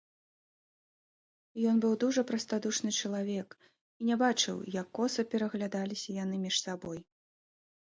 Ён быў дужа прастадушны чалавек і не бачыў, як коса пераглядаліся яны між сабой.